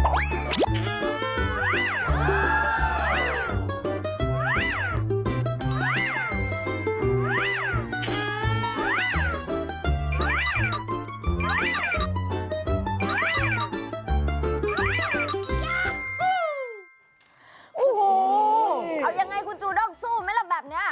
โอ้โหเอายังไงคุณจูด้งสู้ไหมล่ะแบบนี้